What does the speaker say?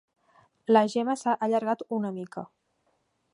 La Gemma s'ha allargat una mica.